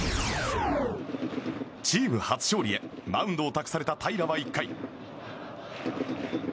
チーム初勝利へマウンドを託された平良は１回。